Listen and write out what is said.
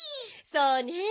そうねえ。